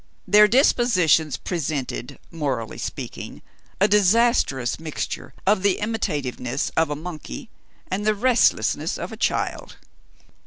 Their dispositions presented, morally speaking, a disastrous mixture of the imitativeness of a monkey and the restlessness of a child.